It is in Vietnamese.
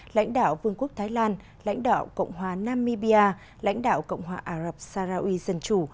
lãnh đạo vương quốc thái lan lãnh đạo cộng hòa nam mibia lãnh đạo cộng hòa ả rập sarawi dân chủ